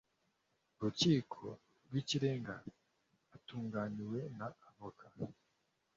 Rukiko rw ikirenga atunganiwe na avoka